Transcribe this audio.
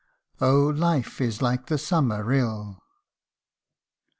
OH ! LIFE IS LIKE THE SUMMER RILL.